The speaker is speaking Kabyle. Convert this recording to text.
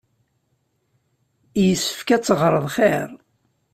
Yessefk ad teɣreḍ xir.